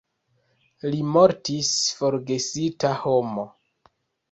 Li mortis forgesita homo.